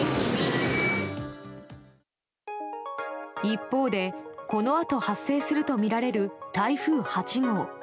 一方で、このあと発生するとみられる台風８号。